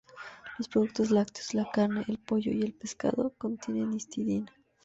Los productos lácteos, la carne, el pollo y el pescado contienen histidina.